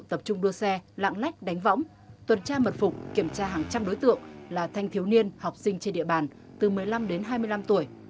tập trung đua xe lạng lách đánh võng tuần tra mật phục kiểm tra hàng trăm đối tượng là thanh thiếu niên học sinh trên địa bàn từ một mươi năm đến hai mươi năm tuổi